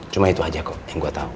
cuma itu aja kok yang gue tahu